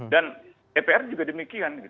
dan dpr juga demikian